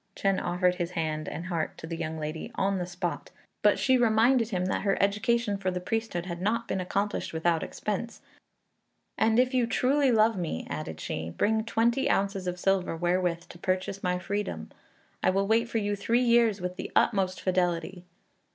Chên offered his hand and heart to the young lady on the spot; but she reminded him that her education for the priesthood had not been accomplished without expense, "and if you truly love me," added she, "bring twenty ounces of silver wherewith to purchase my freedom. I will wait for you three years with the utmost fidelity."